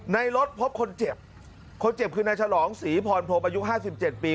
ในรถพบคนเจ็บคนเจ็บคือนายฉลองศรีพรพรมอายุห้าสิบเจ็ดปี